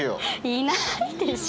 いないでしょ？